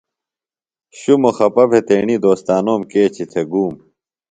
شُمو خپہ بھےۡ تیݨی دوستانوم کیچیۡ تھےۡ گوم۔